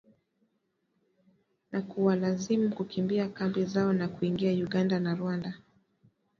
Na kuwalazimu kukimbia kambi zao na kuingia Uganda na Rwanda.